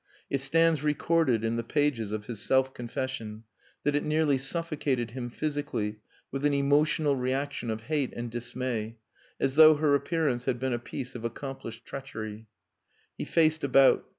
It stands recorded in the pages of his self confession, that it nearly suffocated him physically with an emotional reaction of hate and dismay, as though her appearance had been a piece of accomplished treachery. He faced about.